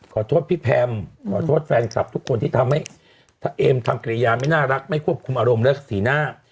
ขอโทษพี่แพมขอโทษแฟนคลับทุกคนที่ทำให้ถ้าเอมทำกริยาไม่น่ารักไม่ควบคุมอารมณ์และสีหน้า